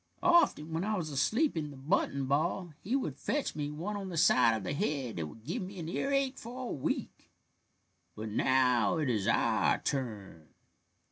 Often when I was asleep in the button ball he would fetch me one on the side of the head that would give me an earache for a week. But now it is our turn."